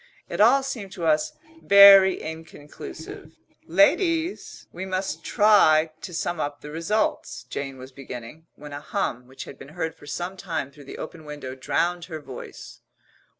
It all seemed to us very inconclusive. "Ladies, we must try to sum up the results," Jane was beginning, when a hum, which had been heard for some time through the open window, drowned her voice.